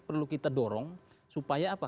perlu kita dorong supaya apa